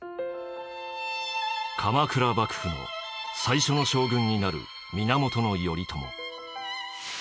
鎌倉幕府の最初の将軍になる源頼朝。